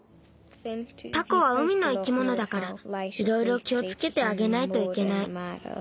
タコは海の生き物だからいろいろ気をつけてあげないといけない。